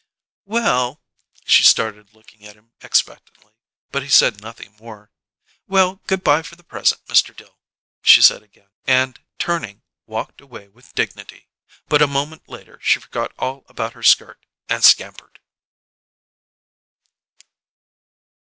"Well " She stood looking at him expectantly, but he said nothing more. "Well, good bye for the present, Mr. Dill," she said again, and, turning, walked away with dignity. But a moment later she forgot all about her skirt and scampered.